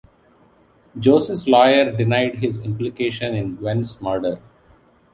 Jose’s lawyer denied his implication in Gwen’s murder.